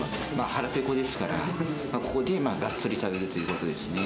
腹ぺこですから、ここでがっつり食べるということですね。